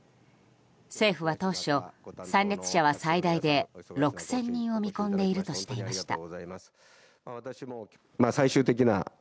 政府は当初、参列者は最大で６０００人を見込んでいるとしていました。